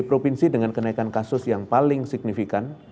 provinsi dengan kenaikan kasus yang paling signifikan